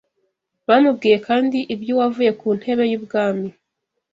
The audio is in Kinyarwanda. Bamubwiye kandi iby’uwavuye ku ntebe y’ubwami